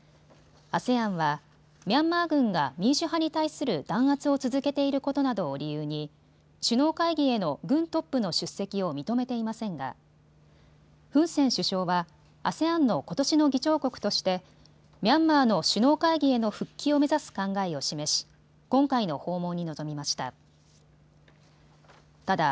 ＡＳＥＡＮはミャンマー軍が民主派に対する弾圧を続けていることなどを理由に首脳会議への軍トップの出席を認めていませんがフン・セン首相はＡＳＥＡＮのことしの議長国としてミャンマーの首脳会議への復帰を目指す考えを示し、今回の訪問に臨みました。